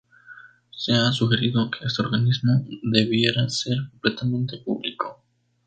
Se ha sugerido que este organismo debiera ser completamente público.